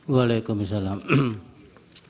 wassalamu alaikum warahmatullahi wabarakatuh